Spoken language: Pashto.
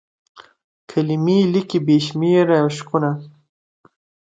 کلمې لیکي بې شمیر عشقونه